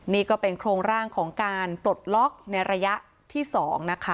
นี่ก็เป็นโครงร่างของการปลดล็อกในระยะที่๒นะคะ